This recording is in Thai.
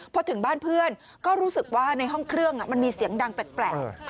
พอถึงบ้านเพื่อนก็รู้สึกว่าในห้องเครื่องมันมีเสียงดังแปลก